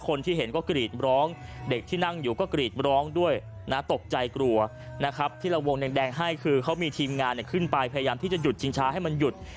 คนที่เห็นก็กรีดร้องเด็กที่นั่งอยู่ก็กรีดร้องด้วยนะตกใจกลัวนะครับที่เราวงแดงให้คือเขามีทีมงานขึ้นไปพยายามที่จะหยุดชิงช้าให้มันหยุด